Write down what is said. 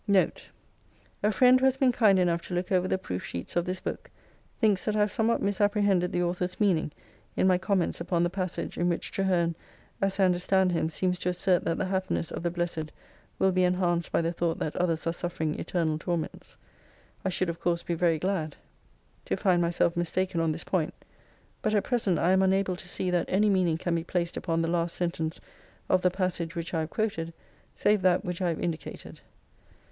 NOTE A friend, who has been kind enough to look over the proof sheets of this book, thinks that I have somewhat misapprehended the author's meaning in my comments upon the passage in which Traherne, as I understand him, seems to assert that the happiness of the blessed will be enhanced by the thought that others are suffer ing eternal torments I should, of course, be very glad xxix to find myself mistaken on this point : but at present I am unable to see that any meaning can be placed upon the last sentence of the passage which I have quoted, save that which I have indicated.